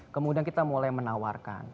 kemudian kita mulai menawarkan